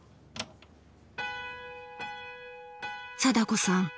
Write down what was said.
貞子さん